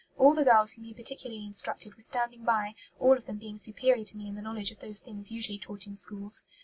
All the girls whom he particularly instructed were standing by, all of them being superior to me in the knowledge of those things usually taught in schools.